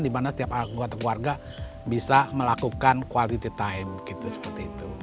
di mana setiap keluarga bisa melakukan quality time seperti itu